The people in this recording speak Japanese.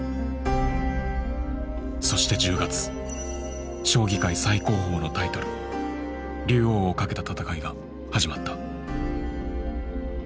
そして１０月将棋界最高峰のタイトル竜王をかけた戦いが始まった。